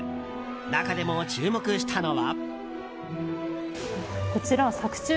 中でも注目したのは。